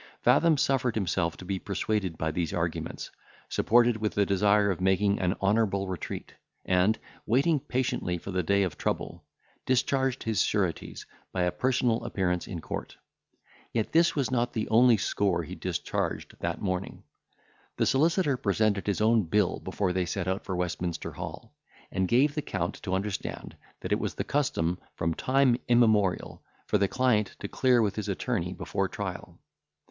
Fathom suffered himself to be persuaded by these arguments, supported with the desire of making an honourable retreat, and, waiting patiently for the day of trouble, discharged his sureties, by a personal appearance in court. Yet this was not the only score he discharged that morning; the solicitor presented his own bill before they set out for Westminster Hall, and gave the Count to understand that it was the custom, from time immemorial, for the client to clear with his attorney before trial.